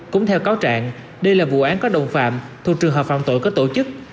cũng theo cáo trạng đây là vụ án có đồng phạm thuộc trường hợp phạm tội có tổ chức